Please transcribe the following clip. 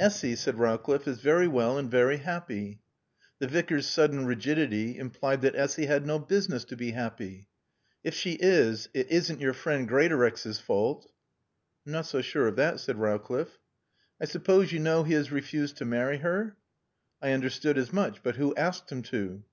"Essy," said Rowcliffe, "is very well and very happy." The Vicar's sudden rigidity implied that Essy had no business to be happy. "If she is, it isn't your friend Greatorex's fault." "I'm not so sure of that," said Rowcliffe. "I suppose you know he has refused to marry her?" "I understood as much. But who asked him to?"